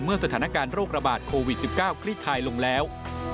เมื่อสถานการณ์โรคระบาดโควิด๑๙คลิดท้ายลงแล้ว